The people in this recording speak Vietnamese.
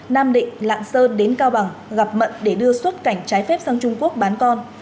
nam định lạng sơn đến cao bằng gặp mận để đưa xuất cảnh trái phép sang trung quốc bán con